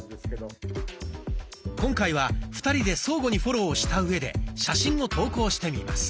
今回は２人で相互にフォローをしたうえで写真を投稿してみます。